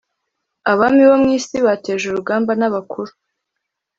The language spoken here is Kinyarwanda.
Abami bo mu isi bateje urugamba N abakuru